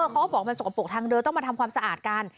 เขาก็บอกมันสกปรกทางเดินต้องมาทำความสะอาดกัน